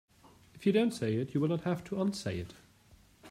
If you don't say it you will not have to unsay it.